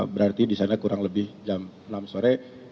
berarti di sana kurang lebih jam enam sore